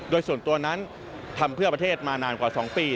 โดยส่วนตัวนั้นทำเพื่อประเทศมานานกว่า๒ปี